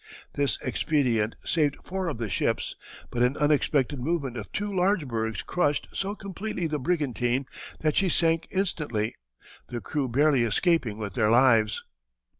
This expedient saved four of the ships, but an unexpected movement of two large bergs crushed so completely the brigantine that she sank instantly, the crew barely escaping with their lives.